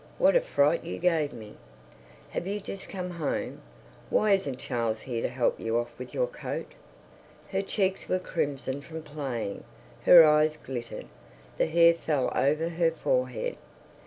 What a fright you gave me! Have you just come home? Why isn't Charles here to help you off with your coat?" Her cheeks were crimson from playing, her eyes glittered, the hair fell over her forehead.